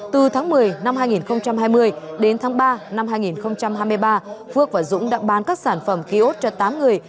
từ tháng một mươi năm hai nghìn hai mươi đến tháng ba năm hai nghìn hai mươi ba phước và dũng đã bán các sản phẩm kiosk cho tám người